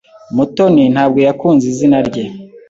Mutoni ntabwo yakunze izina rye.